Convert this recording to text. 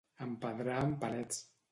Empedrar amb palets.